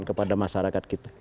kepada masyarakat kita